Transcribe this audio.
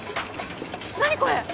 何これ？